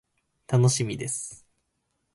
楽しみです。